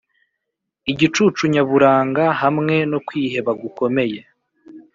igicucu nyaburanga hamwe no kwiheba gukomeye;